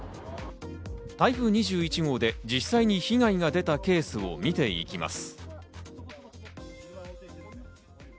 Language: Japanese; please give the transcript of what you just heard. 台風２１号で実際に被害が出たケースを見ていきます。